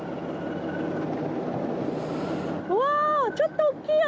うわーちょっと大きいよ。